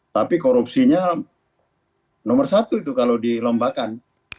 tapi korupsinya nomor satu itu kalau dilombakan